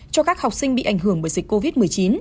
cho các học sinh bị ảnh hưởng bởi dịch covid một mươi chín